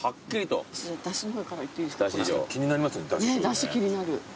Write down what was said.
だし気になる。